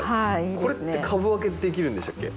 これって株分けできるんでしたっけ？